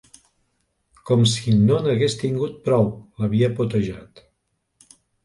Com si no n'hagués tingut prou, l'havia potejat.